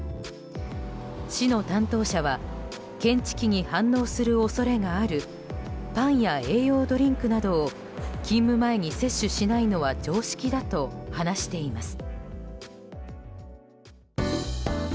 市の担当者は検知器に反応する恐れがあるパンや栄養ドリンクなどを勤務前に摂取しないのは常識だと話しています。